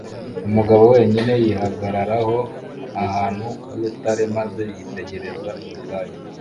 Umugabo wenyine yihagararaho ahantu h'urutare maze yitegereza ubutayu